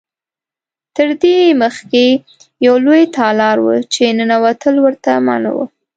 تر دې مخکې یو لوی تالار و چې ننوتل ورته منع و.